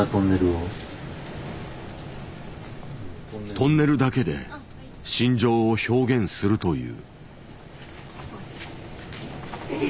トンネルだけで心情を表現するという。